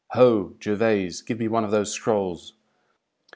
Ho, Gervaise! give me one of those scrolls!"